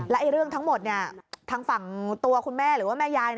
และเรื่องทั้งหมดทางฝั่งตัวคุณแม่หรือว่าแม่ยาย